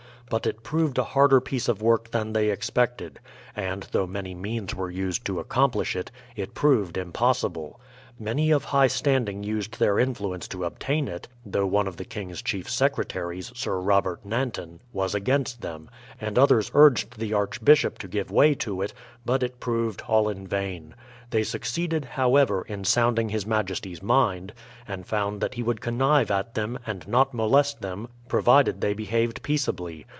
But it proved a harder piece of work than they expected ; and, though many means were used to accomplish it, it proved impossible. ^lany of high standing used their influence to obtain it, — though one of the King's chief secretaries. Sir Robert Nanton, was against them, — and others urged the Archbishop to give way to it ; but it proved all in vain. They succeeded, however, in sounding his majesty's mind, and found that he would con nive at them, and not molest them, provided they behaved peaceably.